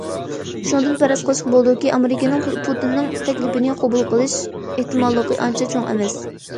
شۇنىڭدىن پەرەز قىلىشقا بولىدۇكى، ئامېرىكىنىڭ پۇتىننىڭ تەكلىپىنى قوبۇل قىلىش ئېھتىماللىقى ئانچە چوڭ ئەمەس.